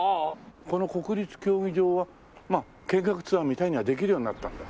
この国立競技場は見学ツアーみたいなのができるようになったんだ。